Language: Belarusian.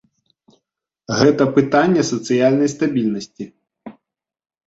Гэта пытанне сацыяльнай стабільнасці.